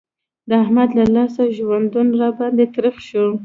د احمد له لاسه ژوندون را باندې تريخ شو.